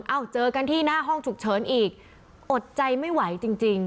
เจอกันที่หน้าห้องฉุกเฉินอีกอดใจไม่ไหวจริงจริง